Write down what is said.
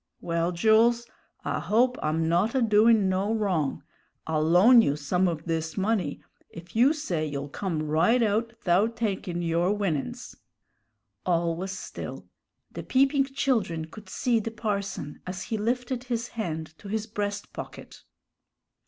"Well, Jools, I hope I'm not a doin' no wrong. I'll loan you some of this money if you say you'll come right out 'thout takin' your winnin's." All was still. The peeping children could see the parson as he lifted his hand to his breast pocket.